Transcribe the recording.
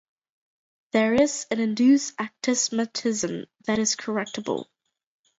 There is an induced astigmatism that is correctable.